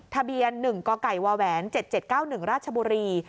ทะเบียน๑กกว๗๗๙๑ราชบุรี